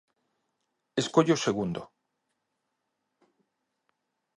Escolle o segundo.